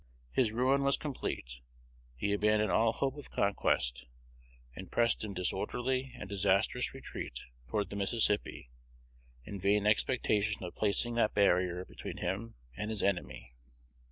His ruin was complete: he abandoned all hope of conquest, and pressed in disorderly and disastrous retreat toward the Mississippi, in vain expectation of placing that barrier between him and his enemy.